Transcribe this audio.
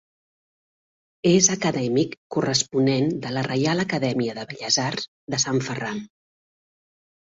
És acadèmic corresponent de la Reial Acadèmia de Belles Arts de Sant Ferran.